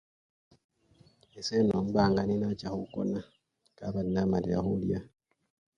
Ese enombanga nenacha khukona kabari namalile khulya..